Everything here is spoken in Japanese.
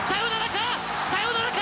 サヨナラか？